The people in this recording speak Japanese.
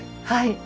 はい。